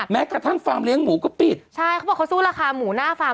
แม้กระทั่งฟาร์มเลี้ยหมูก็ปิดใช่เขาบอกเขาสู้ราคาหมูหน้าฟาร์ม